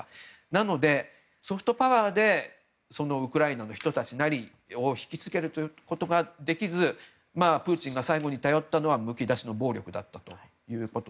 なので、ソフトパワーでウクライナの人たちなりを引きつけることができずプーチンが最後に頼ったのはむき出しの暴力だったと。